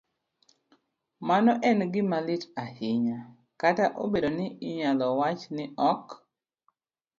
mano en gima lit ahinya, kata obedo ni inyalo wach ni ok